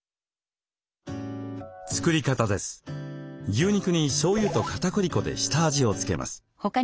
牛肉にしょうゆとかたくり粉で下味を付けます。